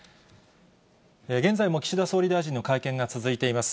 現在も岸田総理大臣の会見が続いています。